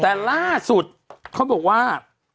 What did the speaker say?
แต่ล่าสุดเขาบอกว่า